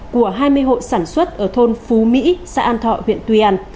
của hai mươi hộ sản xuất ở thôn phú mỹ xã an thọ huyện tuy an